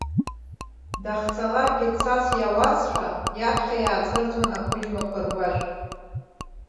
Дахьцалакгьы, цас иауазшәа, иаԥхьа иаацәырҵуан ақәыџьмақәа ргәашә.